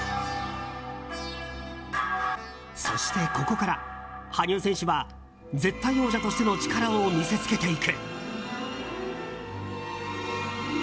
そしてここから、羽生選手は絶対王者としての力を見せつけていく。